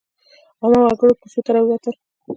عامو وګړو کوڅو ته راووتل.